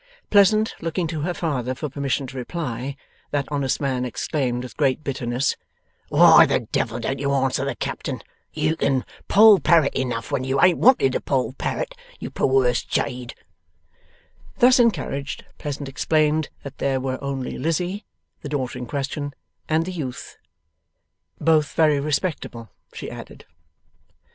Pleasant, looking to her father for permission to reply, that honest man exclaimed with great bitterness: 'Why the devil don't you answer the Captain? You can Poll Parrot enough when you ain't wanted to Poll Parrot, you perwerse jade!' Thus encouraged, Pleasant explained that there were only Lizzie, the daughter in question, and the youth. Both very respectable, she added.